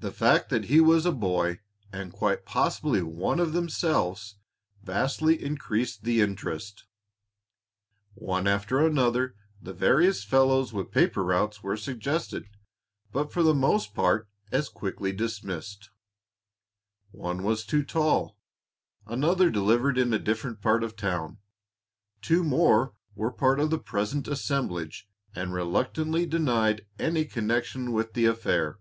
The fact that he was a boy and quite possibly one of themselves vastly increased the interest. One after another the various fellows with paper routes were suggested, but for the most part as quickly dismissed. One was too tall, another delivered in a different part of town, two more were part of the present assemblage and reluctantly denied any connection with the affair.